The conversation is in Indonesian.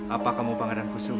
apa kamu pangeran pusumo